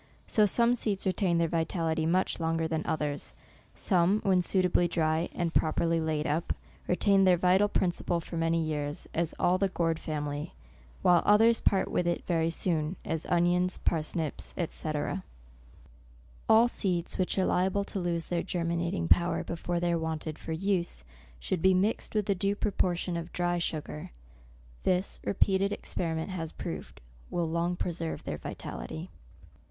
So some seeds retain their vitality much longer than others ; some, when suitably dry, and properly laid up, retain their vital principle for many years, as all the gourd family ; while others part with it very soon, as onions, parsnips, &c. All seeds which are liable to lose their germinating power before they are wanted for use, should be mixed with a due propor tion of dry sugar. This, repeated experi ment has proved, will long preserve their vitality.